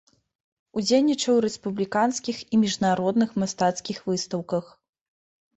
Удзельнічаў у рэспубліканскіх і міжнародных мастацкіх выстаўках.